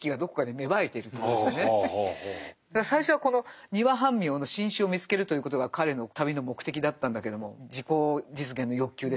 だから最初はこのニワハンミョウの新種を見つけるということが彼の旅の目的だったんだけども自己実現の欲求ですよね。